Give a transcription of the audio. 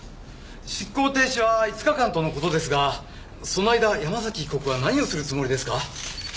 執行停止は５日間との事ですがその間山崎被告は何をするつもりですか？